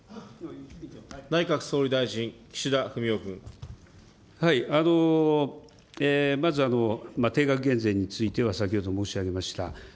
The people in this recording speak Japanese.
内閣総理大臣、まず定額減税については先ほど申し上げました。